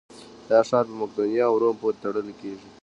دا ښار په مقدونیه او روم پورې تړل کېږي.